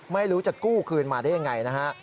ไม่รู้จะกู้คืนมาได้ยังไงนะฮะ